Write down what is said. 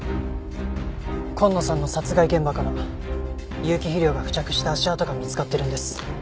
今野さんの殺害現場から有機肥料が付着した足跡が見つかってるんです。